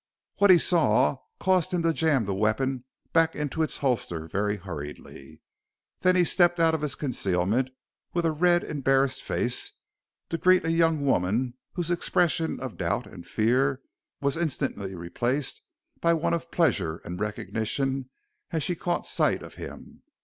What he saw caused him to jam the weapon back into its holster very hurriedly. Then he stepped out of his concealment with a red, embarrassed face to greet a young woman whose expression of doubt and fear was instantly replaced by one of pleasure and recognition as she caught sight of him.